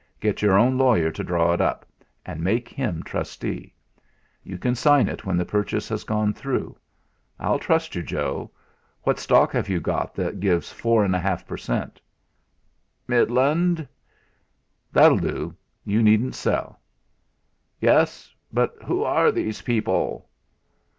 Get your own lawyer to draw it up and make him trustee. You can sign it when the purchase has gone through. I'll trust you, Joe. What stock have you got that gives four and a half per cent.?" "Midland" "That'll do. You needn't sell." "Yes, but who are these people?"